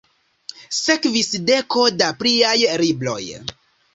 Sekvis deko da pliaj libroj.